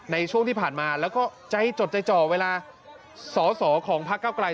ในช่วงที่ผ่านมาแล้วก็ใจจดใจจ่อเวลาสอสอของพักเก้าไกล